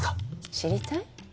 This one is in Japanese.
知りたい？